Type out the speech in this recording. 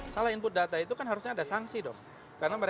salah input data itu kan harusnya ada sanksi dong